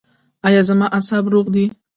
ایا زما اعصاب روغ دي؟